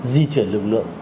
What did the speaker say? di chuyển lực lượng